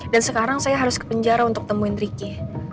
dan sekarang saya harus ke penjara untuk temuin ricky